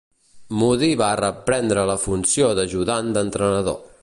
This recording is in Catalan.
Moody va reprendre la funció d'ajudant d'entrenador.